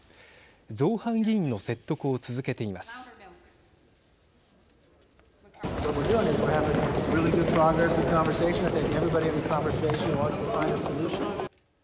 造反議員の説得を続けています。